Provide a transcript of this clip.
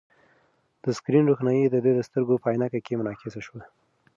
د سکرین روښنايي د ده د سترګو په عینکې کې منعکسه شوه.